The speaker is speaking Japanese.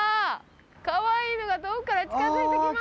かわいいのが遠くから近づいてきます。